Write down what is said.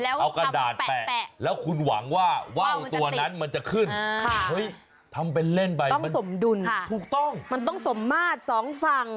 เอากระดาษแปะแล้วคุณหวังว่าว้าวตัวนั้นมันจะขึ้นค่ะต้องสมดุลมันต้องสมมาตรสองฝั่ง